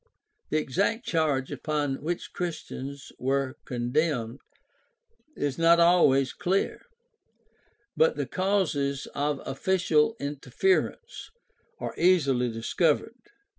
The exact charge upon which Christians were condemned is not always clear, but the causes of official interference are easily discovered.